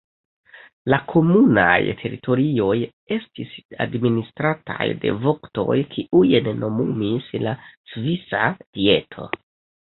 La komunaj teritorioj estis administrataj de voktoj, kiujn nomumis la Svisa Dieto.